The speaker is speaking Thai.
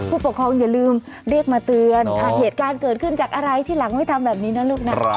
ผู้ปกครองอย่าลืมเรียกมาเตือนถ้าเหตุการณ์เกิดขึ้นจากอะไรที่หลังไม่ทำแบบนี้นะลูกนะ